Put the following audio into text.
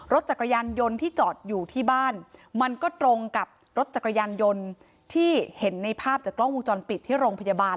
รถจักรยานยนต์ที่จอดอยู่ที่บ้านมันก็ตรงกับรถจักรยานยนต์ที่เห็นในภาพจากกล้องวงจรปิดที่โรงพยาบาล